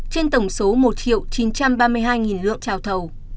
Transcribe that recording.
trên tổng số một chín trăm ba mươi hai lượng trào thầu